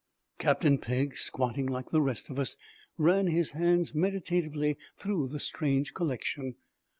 Captain Pegg, squatting like the rest of us, ran his hands meditatively through the strange collection.